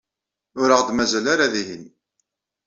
Ur aɣ-d-mazal ara dihin.